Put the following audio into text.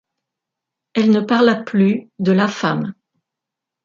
Elle ne parla plus de « la femme ».